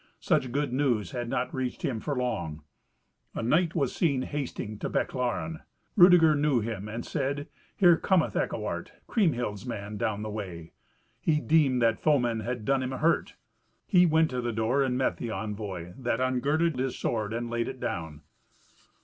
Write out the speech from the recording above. Such good news had not reached him for long. A knight was seen hasting to Bechlaren. Rudeger knew him, and said, "Here cometh Eckewart, Kriemhild's man, down the way." He deemed that foemen had done him a hurt. He went to the door and met the envoy, that ungirded his sword and laid it down.